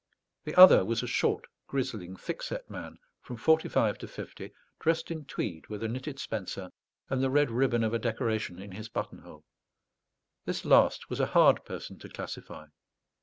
The other was a short, grizzling, thick set man, from forty five to fifty, dressed in tweed with a knitted spencer, and the red ribbon of a decoration in his button hole. This last was a hard person to classify.